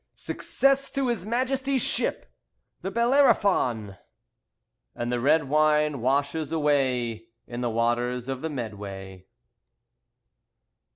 "Success to his Majesty's ship, the Bellerophon!" And the red wine washes away in the waters of the Medway.